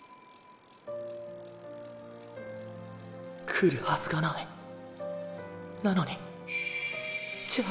来るはずがないなのにじゃあ